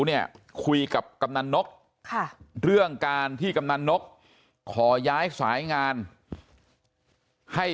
เนี่ยคุยกับกำนันนกเรื่องการที่กำนันนกขอย้ายสายงานให้